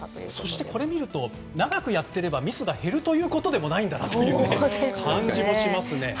そして、これを見ると長くやっていればミスが減るということでもないなという感じもしますね。